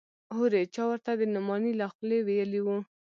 هورې چا ورته د نعماني له خولې ويلي و.